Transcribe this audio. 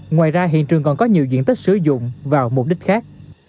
ngoài ra hiện trường còn có nhiều diện tích sử dụng vào mục đích khác